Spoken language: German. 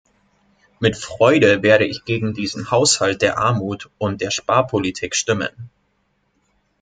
Mit Freude werde ich gegen diesen Haushalt der Armut und der Sparpolitik stimmen.